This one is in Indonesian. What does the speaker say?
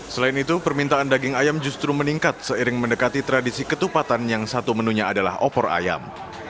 selain itu permintaan daging ayam justru meningkat seiring mendekati tradisi ketupatan yang satu menunya adalah opor ayam